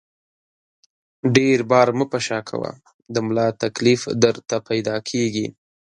ډېر بار مه په شا کوه ، د ملا تکلیف درته پیدا کېږي!